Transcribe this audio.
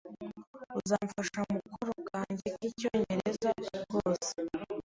"Uzamfasha mukoro kanjye k'icyongereza?" "Rwose."